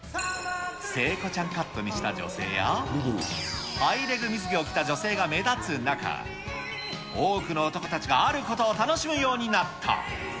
聖子ちゃんカットにした女性や、ハイレグ水着を着た女性が目立つ中、多くの男たちがあることを楽しむようになった。